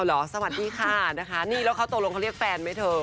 เหรอสวัสดีค่ะนะคะนี่แล้วเขาตกลงเขาเรียกแฟนไหมเธอ